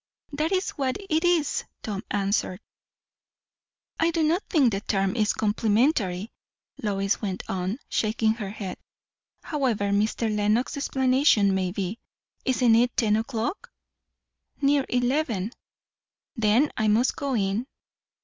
"That is what it is," Tom answered. "I do not think the term is complimentary," Lois went on, shaking her head, "however Mr. Lenox's explanation may be. Isn't it ten o'clock?" "Near eleven." "Then I must go in."